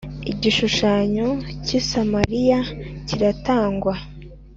igishushanyo cy i Samariya kiratangwa